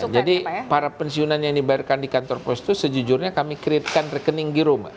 jadi para pensiunan yang dibayarkan di kantor pos itu sejujurnya kami createkan rekening di rumah